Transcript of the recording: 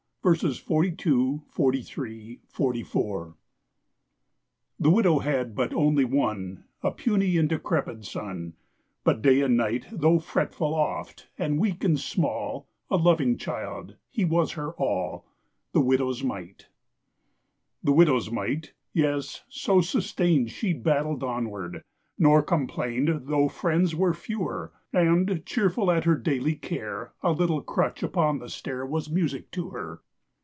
verses 42, 43, 44 The widow had but only one, A puny and decrepid son; But day and night, Though fretful oft, and weak, and small, A loving child, he was her all— The widow's mite. The widow's might—yes! so sustain'd She battled onward, nor complain'd Though friends were fewer: And, cheerful at her daily care, A little crutch upon the stair Was music to her.